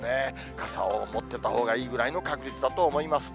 傘を持ってったほうがいいぐらいの確率だと思います。